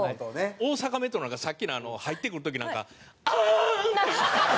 大阪メトロなんかさっきの入ってくる時なんか「アアーン」っていう。